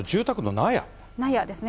納屋ですね。